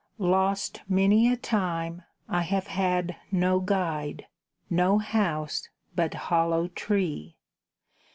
Lost many a time, I have had no guide, No house, but hollow tree!